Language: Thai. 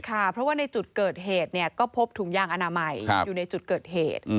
เพราะว่าในจุดเกิดเหตุก็พบถุงยางอนามัยอยู่ในจุดเกิดเหตุ